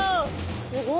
すごい。